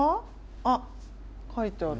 あっ書いてある。